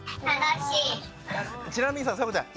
ちなみにさそよかちゃん